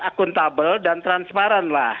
akuntabel dan transparan lah